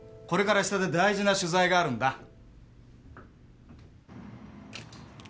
これから下で大事な取材があるんだ。